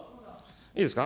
いいですか。